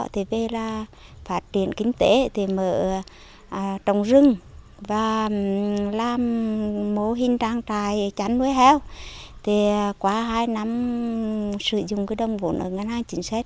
thì gia đình cũng không cần là đến ở ngân hàng chiến sách